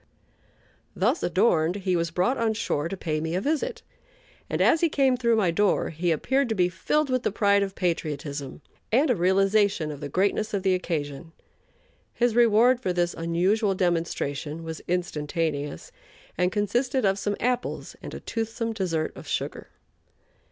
Thus adorned he was brought on shore to pay me a visit, and as he came through my door he appeared to be filled with the pride of patriotism and a realization of the greatness of the occasion. His reward for this unusual demonstration was instantaneous, and consisted of some apples and a toothsome dessert of sugar.